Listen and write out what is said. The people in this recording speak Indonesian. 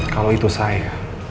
kalau itu saya